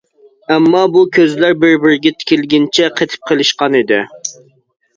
ئەمما بۇ كۆزلەر بىر بىرىگە تىكىلگىنىچە قېتىپ قېلىشقانىدى.